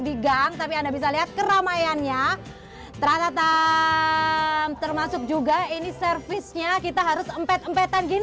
di gang tapi anda bisa lihat keramaiannya terasa tam termasuk juga ini servisnya kita harus empet empetan gini